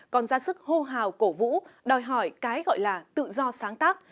còn ra sức hô hào cổ vũ đòi hỏi cái gọi là tự do sáng tác